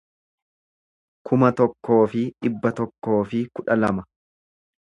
kuma tokkoo fi dhibba tokkoo fi kudha lama